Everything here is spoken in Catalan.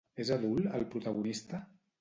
És adult el protagonista?